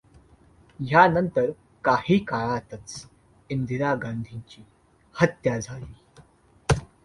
यानंतर काही काळातच इंदिरा गांधींची हत्या झाली.